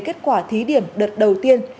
kết quả thí điểm đợt đầu tiên